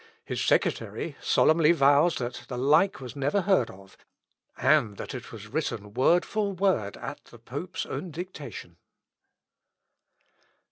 His secretary solemnly vows that the like was never heard of, and that it was written word for word at the pope's own dictation."